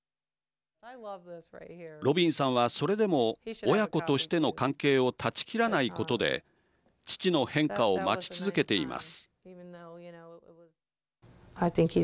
ロビンさんはそれでも親子としての関係を断ち切らないことで父の変化を待ち続けています。